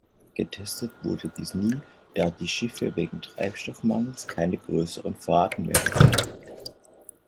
Getestet wurde dies nie, da die Schiffe wegen Treibstoffmangels keine größeren Fahrten mehr unternahmen.